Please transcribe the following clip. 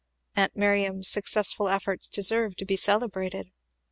Aunt Miriam's successful efforts deserve to be celebrated.